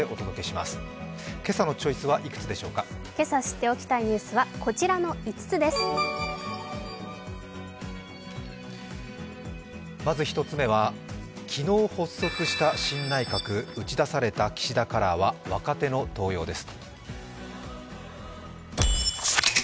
まず１つ目は、昨日発足した新内閣、打ち出された岸田カラーは若手の登用です。